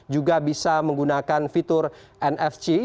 juga bisa menggunakan fitur nfc